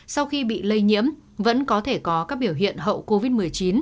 sau khi bị lây nhiễm vẫn có thể có các biểu hiện hậu covid một mươi chín